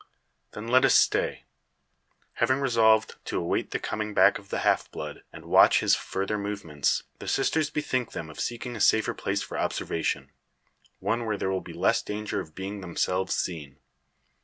"Then let us stay." Having resolved to await the coming back of the half blood, and watch his further movements, the sisters bethink them of seeking a safer place for observation; one where there will be less danger of being themselves seen.